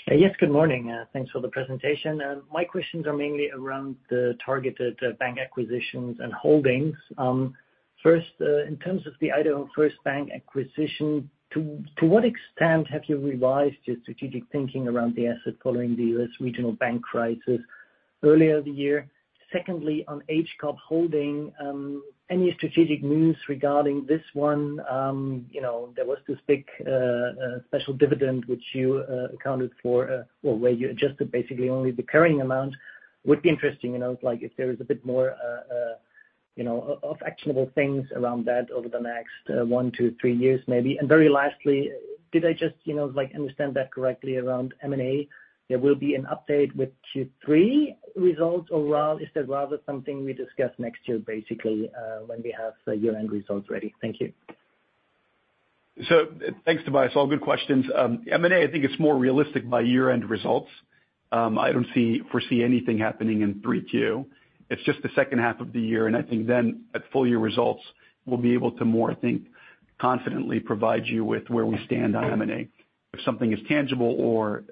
Speaker 9: Yes, good morning, thanks for the presentation. My questions are mainly around the targeted bank acquisitions and holdings. First, in terms of the Idaho First Bank acquisition, to what extent have you revised your strategic thinking around the asset following the US regional bank crisis earlier of the year? Secondly, on KUB Holding, any strategic moves regarding this one? You know, there was this big special dividend which you accounted for, or where you adjusted basically only the carrying amount. Would be interesting, you know, like if there is a bit more, you know, of actionable things around that over the next 1-3 years, maybe. Very lastly, did I just, you know, like, understand that correctly around M&A? There will be an update with Q3 results, or rather, is that rather something we discuss next year, basically, when we have the year-end results ready? Thank you.
Speaker 2: Thanks, Tobias. All good questions. M&A, I think it's more realistic by year-end results. I don't foresee anything happening in 3Q. It's just the second half of the year, and I think then, at full year results, we'll be able to more, I think, confidently provide you with where we stand on M&A, if something is tangible or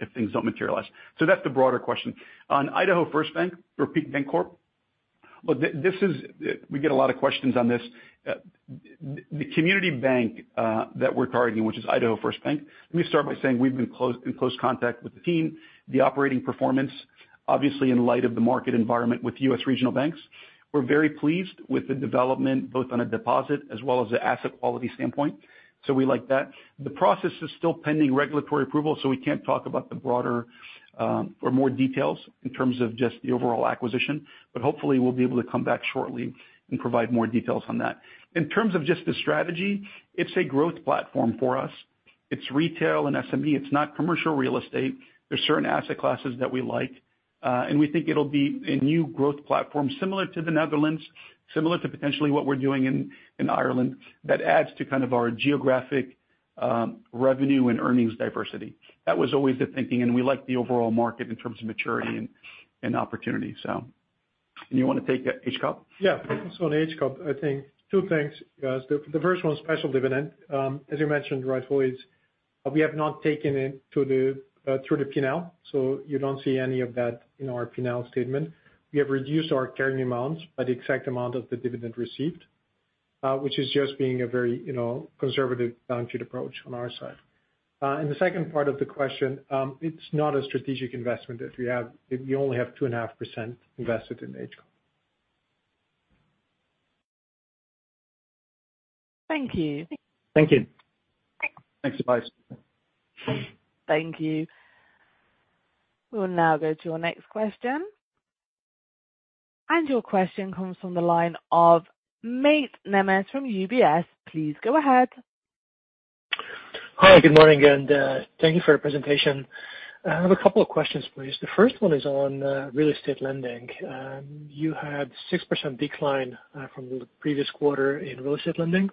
Speaker 2: if things don't materialize. That's the broader question. On Idaho First Bank, Peak Bancorp. Look, this is. We get a lot of questions on this. the community bank that we're targeting, which is Idaho First Bank, let me start by saying we've been in close contact with the team. The operating performance, obviously, in light of the market environment with U.S. regional banks, we're very pleased with the development, both on a deposit as well as the asset quality standpoint. We like that. The process is still pending regulatory approval. We can't talk about the broader, or more details in terms of just the overall acquisition. Hopefully we'll be able to come back shortly and provide more details on that. In terms of just the strategy, it's a growth platform for us. It's retail and SME. It's not commercial real estate. There's certain asset classes that we like, and we think it'll be a new growth platform, similar to the Netherlands, similar to potentially what we're doing in Ireland, that adds to kind of our geographic, revenue and earnings diversity. That was always the thinking, and we like the overall market in terms of maturity and opportunity. You want to take, KUB?
Speaker 3: On KUB, I think 2 things, guys. The first one, special dividend. As you mentioned, rightfully, is we have not taken it to the through the P&L, you don't see any of that in our P&L statement. We have reduced our carrying amounts by the exact amount of the dividend received, which is just being a very, you know, conservative, bounded approach on our side. The second part of the question, it's not a strategic investment that we have. We only have 2.5% invested in KUB.
Speaker 1: Thank you.
Speaker 9: Thank you.
Speaker 2: Thanks, Tobias.
Speaker 1: Thank you. We will now go to our next question. Your question comes from the line of Máté Németh from UBS. Please go ahead.
Speaker 10: Hi, good morning, thank you for your presentation. I have a couple of questions, please. The first one is on real estate lending. You had 6% decline from the previous quarter in real estate lending.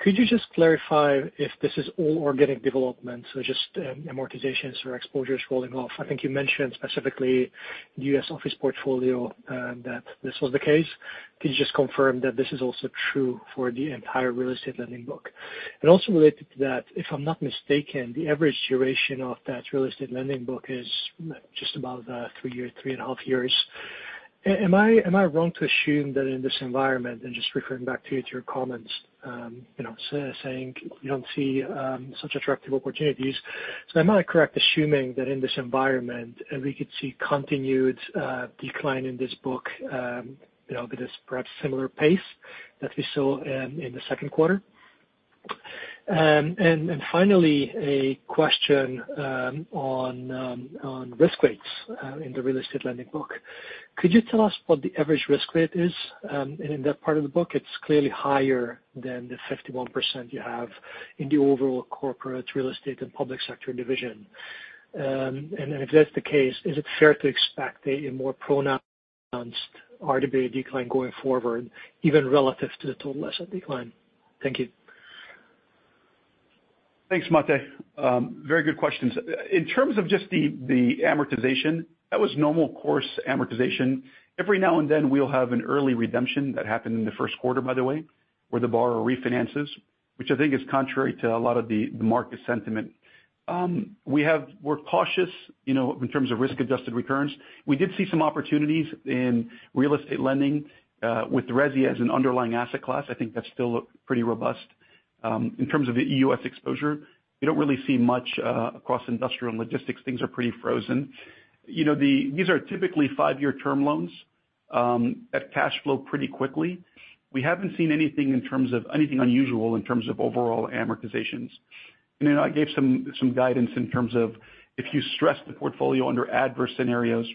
Speaker 10: Could you just clarify if this is all organic development, so just amortizations or exposures rolling off? I think you mentioned specifically the U.S. office portfolio that this was the case. Could you just confirm that this is also true for the entire real estate lending book? Also related to that, if I'm not mistaken, the average duration of that real estate lending book is just about 3 years, three and a half years. Am I wrong to assume that in this environment, and just referring back to you, to your comments, you know, saying you don't see such attractive opportunities, so am I correct assuming that in this environment, and we could see continued decline in this book, you know, at this perhaps similar pace that we saw in the second quarter? Finally, a question on risk weights in the real estate lending book. Could you tell us what the average risk rate is, and in that part of the book, it's clearly higher than the 51% you have in the overall corporate, real estate, and public sector division. If that's the case, is it fair to expect a more pronounced RWA decline going forward, even relative to the total asset decline? Thank you.
Speaker 2: Thanks, Mate. Very good questions. In terms of just the amortization, that was normal course amortization. Every now and then, we'll have an early redemption that happened in the first quarter, by the way, where the borrower refinances, which I think is contrary to a lot of the market sentiment. We're cautious, you know, in terms of risk-adjusted returns. We did see some opportunities in real estate lending with resi as an underlying asset class. I think that's still pretty robust. In terms of the US exposure, we don't really see much across industrial and logistics. Things are pretty frozen. You know, these are typically 5-year term loans that cash flow pretty quickly. We haven't seen anything in terms of anything unusual in terms of overall amortizations. Then I gave some guidance in terms of, if you stress the portfolio under adverse scenarios,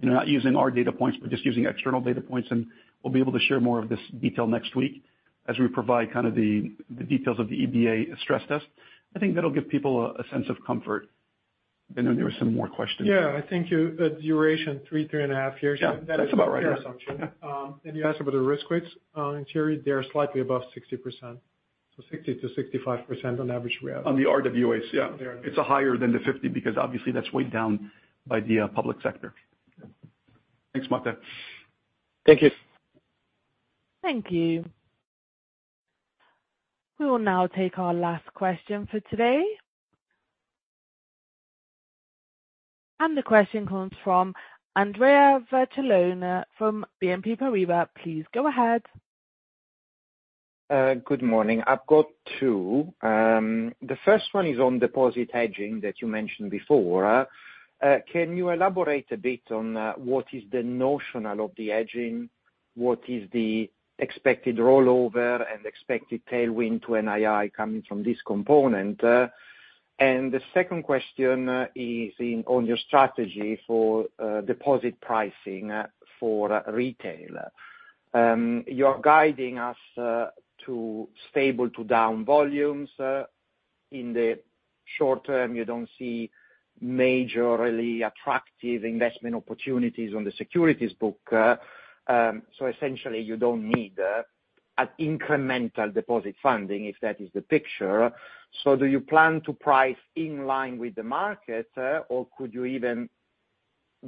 Speaker 2: you know, not using our data points, but just using external data points, and we'll be able to share more of this detail next week as we provide kind of the details of the EBA stress test. I think that'll give people a sense of comfort. Then there were some more questions.
Speaker 3: I think you, the duration, 3.5 years.
Speaker 2: Yeah, that's about right.
Speaker 3: -assumption. You asked about the risk rates. In theory, they're slightly above 60%. 60%-65% on average, we have.
Speaker 2: On the RWAs, yeah.
Speaker 3: Yeah.
Speaker 2: It's a higher than the 50, because obviously that's weighed down by the public sector.
Speaker 3: Yeah.
Speaker 2: Thanks, Mate.
Speaker 10: Thank you.
Speaker 1: Thank you. We will now take our last question for today. The question comes from Andrea Vercellona from BNP Paribas. Please go ahead.
Speaker 11: Good morning. I've got two. The first one is on deposit hedging that you mentioned before. Can you elaborate a bit on what is the notional of the hedging? What is the expected rollover and expected tailwind to NII coming from this component? The second question is on your strategy for deposit pricing for retail. You're guiding us to stable-to-down volumes in the short term. You don't see majorly attractive investment opportunities on the securities book. Essentially, you don't need an incremental deposit funding, if that is the picture. Do you plan to price in line with the market, or could you even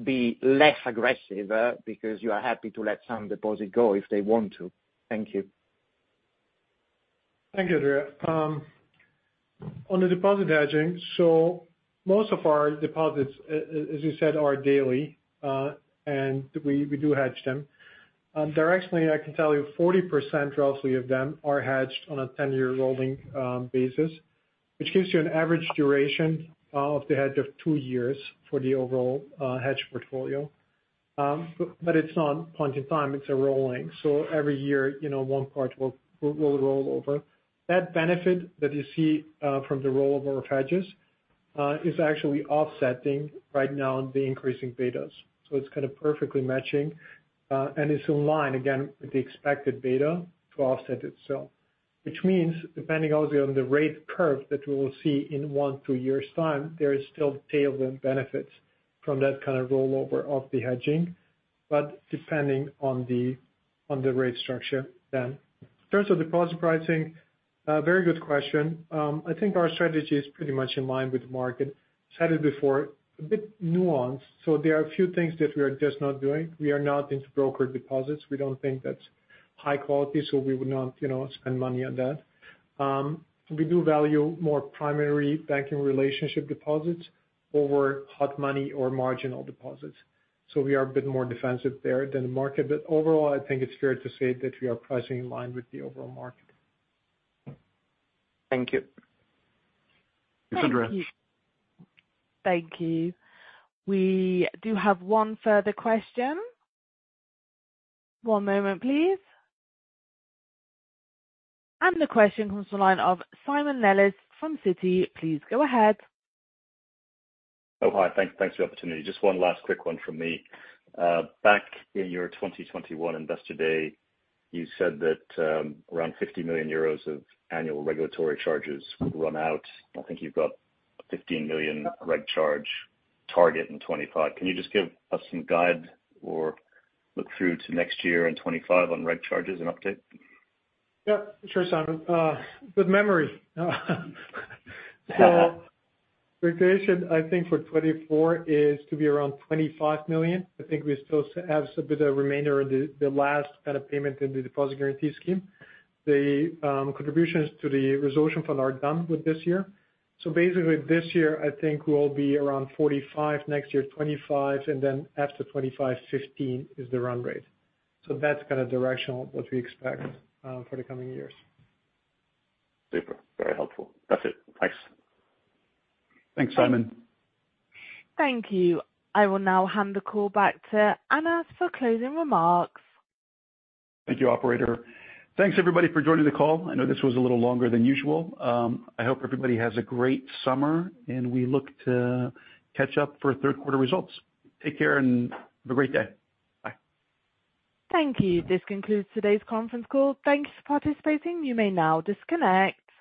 Speaker 11: be less aggressive, because you are happy to let some deposit go if they want to? Thank you.
Speaker 3: Thank you, Andrea. On the deposit hedging, most of our deposits, as you said, are daily, and we do hedge them. Directionally, I can tell you 40% roughly of them are hedged on a 10-year rolling basis, which gives you an average duration of the hedge of 2 years for the overall hedge portfolio. But it's not point in time, it's a rolling. Every year, you know, one part will roll over. That benefit that you see from the rollover of hedges is actually offsetting right now the increasing betas. It's kind of perfectly matching, and it's in line again with the expected beta to offset itself. Depending obviously on the rate curve that we will see in one, two years' time, there is still tailwind benefits from that kind of rollover of the hedging, depending on the, on the rate structure then. In terms of deposit pricing, a very good question. I think our strategy is pretty much in line with the market. Said it before, a bit nuanced. There are a few things that we are just not doing. We are not into brokered deposits. We don't think that's high quality. We would not, you know, spend money on that. We do value more primary banking relationship deposits over hot money or marginal deposits. We are a bit more defensive there than the market. Overall, I think it's fair to say that we are pricing in line with the overall market.
Speaker 11: Thank you.
Speaker 2: Thanks, Andrea.
Speaker 1: Thank you. We do have one further question. One moment, please. The question comes from the line of Simon Nellis from Citi. Please go ahead.
Speaker 6: Hi. Thanks for the opportunity. Just one last quick one from me. Back in your 2021 Investor Day, you said that around 50 million euros of annual regulatory charges would run out. I think you've got a 15 million reg charge target in 2025. Can you just give us some guide or look through to next year and 2025 on reg charges and update?
Speaker 3: Sure, Simon. Good memory. Regulation, I think for 2024, is to be around 25 million. I think we still have a bit of remainder of the last kind of payment in the Deposit Guarantee Scheme. The contributions to the Resolution Fund are done with this year. Basically this year, I think we'll be around 45 million, next year, 25 million, and then after 25 million, 15 million is the run rate. That's kind of directional what we expect for the coming years.
Speaker 6: Super, very helpful. That's it. Thanks.
Speaker 2: Thanks, Simon.
Speaker 1: Thank you. I will now hand the call back to Anas for closing remarks.
Speaker 2: Thank you, operator. Thanks, everybody, for joining the call. I know this was a little longer than usual. I hope everybody has a great summer, and we look to catch up for third quarter results. Take care and have a great day. Bye.
Speaker 1: Thank you. This concludes today's conference call. Thanks for participating. You may now disconnect.